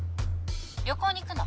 旅行に行くの。